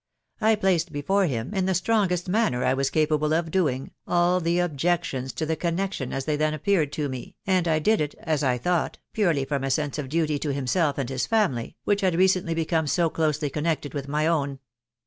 I placed before him, in the strongest manner I was capable of doing, all the objections to the connection as they then appeared to me ; and I did it, as I thought, purely from a sense of duty to himself and his family, which had recently become so closely connected with my own.